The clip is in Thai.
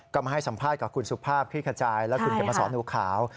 ก็มาให้สัมภาษณ์กับคุณสุภาพพิษฐาจายแล้วคุณก็มาสอนรูปข่าว